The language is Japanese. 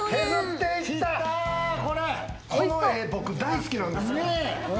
これ、僕、大好きなんですよ。